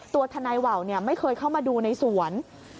ตัวทนายว่าวไม่เคยเข้ามาดูในสวน